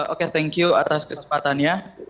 oke thank you atas kesempatannya